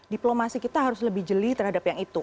diplomasi kita harus lebih jeli terhadap yang itu